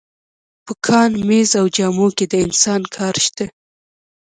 په کان، مېز او جامو کې د انسان کار شته